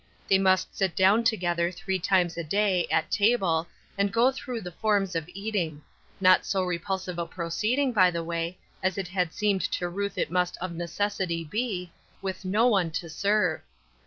They must sit down together three times a day, at table, and go through the forms of eating — not so repul sive a proceeding, by the way, as it had seemed to Ruth it must of necessity be, with no one to serve.